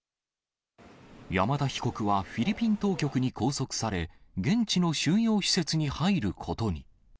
山田被告はフィリピン当局に拘束され、現地の収容施設に入ることに。